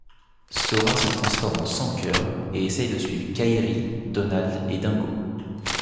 Sora se transforme en Sans-Cœur, et essaie de suivre Kairi, Donald et Dingo.